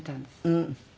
うん。